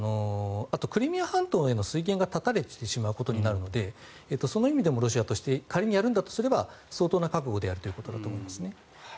あと、クリミア半島への水源が断たれてしまうことになるのでその意味でもロシアとして仮にやるんだとすれば相当な覚悟でやるんだと思います。